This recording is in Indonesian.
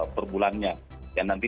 per bulannya yang nanti